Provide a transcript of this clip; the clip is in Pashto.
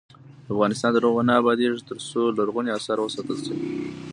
افغانستان تر هغو نه ابادیږي، ترڅو لرغوني اثار وساتل نشي.